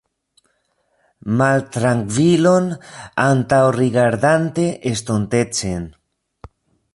Maltrankvilon, antaŭrigardante estontecen?